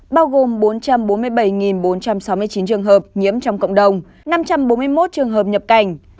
bao gồm bốn trăm bốn mươi bảy bốn trăm sáu mươi chín trường hợp nhiễm trong cộng đồng năm trăm bốn mươi một trường hợp nhập cảnh